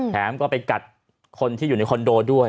แถมก็ไปกัดคนที่อยู่ในคอนโดด้วย